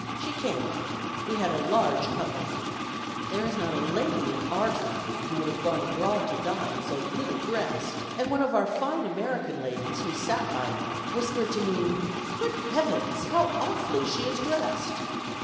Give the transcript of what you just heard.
She came; we had a large company. There is not a lady in our country, who would have gone abroad to dine so little dressed; and one of our fine American ladies, who sat by me, whispered to me, 'Good Heavens! how awfully she is dressed.'